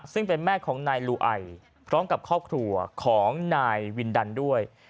ซึ่งเป็นแม่ของนายลูไอพร้อมกับครอบครัวของนายวินดันด้วย